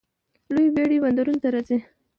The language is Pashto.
لویې بیړۍ بندرونو ته راځي.